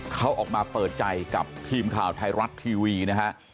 เขาออกมาเปิดใจกับทีมข่าวไทยรัฐทีวีนะฮะ